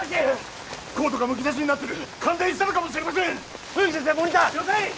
コードがむき出しになってる感電したのかもしれません冬木先生モニター了解！